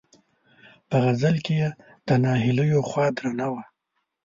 په غزل کې یې د ناهیلیو خوا درنه وه.